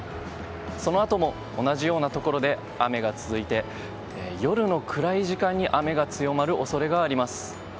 そのあとも同じようなところで雨が続いて夜の暗い時間に雨が強まる恐れがあります。